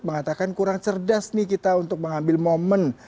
mengatakan kurang cerdas nih kita untuk mengambil momen